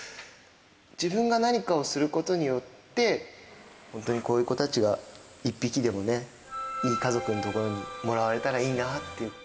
自分が何かをすることによって、本当にこういう子たちが一匹でもね、いい家族の所にもらわれたらいいなっていう。